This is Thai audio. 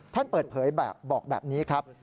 ท่านเปิดเผยแบบบอกแบบนี้ครับ